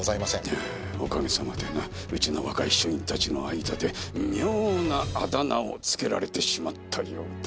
おかげさまでなうちの若い署員たちの間で妙なあだ名を付けられてしまったようだ。